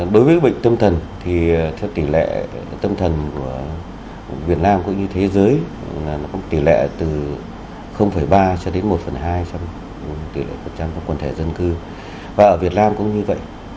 đối với bệnh tâm thần thì theo tỷ lệ tâm thần của việt nam cũng như thế giới tỷ lệ từ ba cho đến một hai trong tỷ lệ một trăm linh trong quần thể dân cư và ở việt nam cũng như vậy